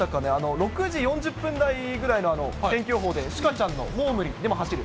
６時４０分台ぐらいの天気予報で、朱夏ちゃんのもう無理、でも走る。